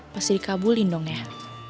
pasti dikabulin dong ya